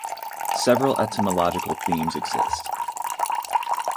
Several etymological themes exist.